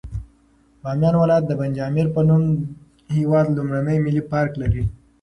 بامیان ولایت د بند امیر په نوم د هېواد لومړنی ملي پارک لري.